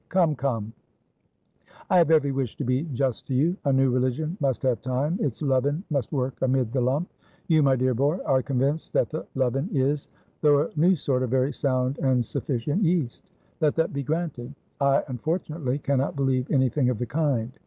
Come, come; I have every wish to be just to you. A new religion must have time; its leaven must work amid the lump. You, my dear boy, are convinced that the leaven is, though a new sort, a very sound and sufficient yeast; let that be granted. I, unfortunately, cannot believe anything of the kind.